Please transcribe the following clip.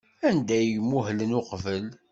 Anda ay muhlen uqbel?